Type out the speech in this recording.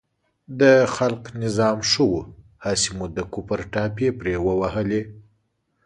د خلق نظام ښه و، هسې مو د کفر ټاپې پرې ووهلې.